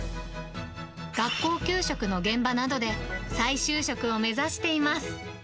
学校給食の現場などで再就職を目指しています。